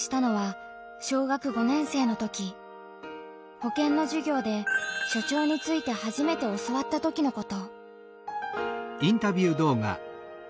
保健の授業で初潮について初めて教わったときのこと。